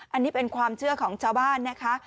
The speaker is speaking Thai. อันนี้เป็นความเชื่อของชาวบ้านนะคะ